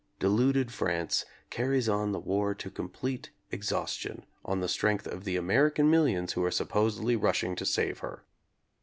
Deluded France carries on the war to complete ex haustion on the strength of the American millions who are supposedly rushing to save her.